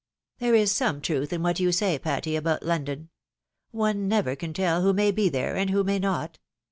" There is some truth in what you say, Patty, about London. One never can teU who may be there, and who may not.